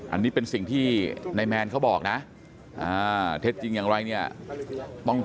อันนี้เป็นสิ่งที่นายแมนเขาบอกนะเท็จจริงอย่างไรเนี่ย